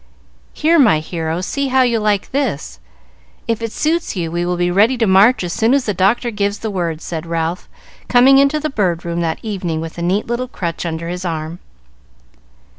"Here, my hero, see how you like this. If it suits, you will be ready to march as soon as the doctor gives the word," said Ralph, coming into the Bird Room that evening with a neat little crutch under his arm.